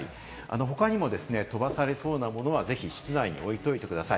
他にも飛ばされそうなものはぜひ室内に置いといてください。